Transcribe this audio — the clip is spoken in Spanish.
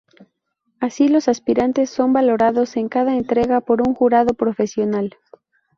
Así, los aspirantes son valorados en cada entrega por un jurado profesional.